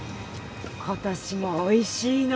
今年もおいしいの。